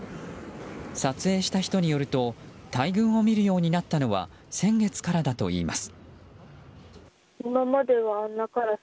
撮影した人によると大群を見るようになったのは先月からだといいます。